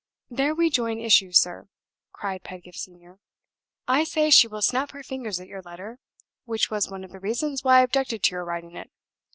"There we join issue, sir," cried Pedgift Senior. "I say she will snap her fingers at your letter (which was one of the reasons why I objected to your writing it).